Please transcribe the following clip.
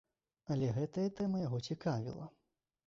Але гэтая тэма яго цікавіла.